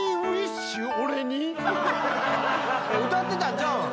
歌ってたんちゃうん？